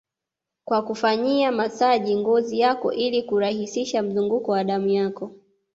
kwa kufanyia masaji ngozi yako ili kurahisisha mzunguko wa damu yako